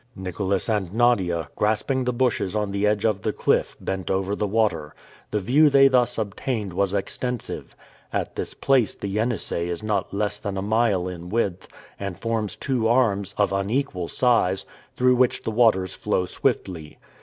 Nicholas and Nadia, grasping the bushes on the edge of the cliff, bent over the water. The view they thus obtained was extensive. At this place the Yenisei is not less than a mile in width, and forms two arms, of unequal size, through which the waters flow swiftly.